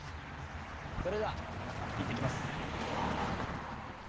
それではいってきます。